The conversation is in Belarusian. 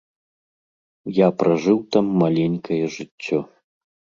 Я пражыў там маленькае жыццё.